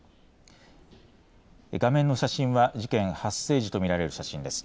画面の写真は事件発生時とみられる写真です。